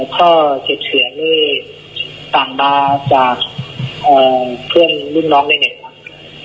พ่อเจ็บเสียงด้วยสั่งบาร์จากเพื่อนรุ่นน้องเลยครับ